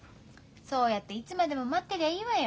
そうやっていつまでも待ってりゃいいわよ。